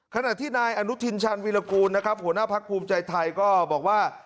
ขณะที่นายอนุทินชาญวิรากูลนะครับหัวหน้าพักภูมิใจไทยก็บอกว่า